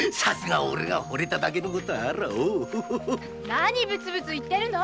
何をブツブツ言ってるの？